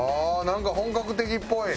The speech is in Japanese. なんか本格的っぽい。